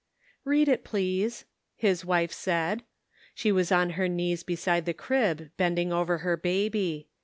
"Read it, please," his wife said. She was on her knees beside the crib, bending over her baby.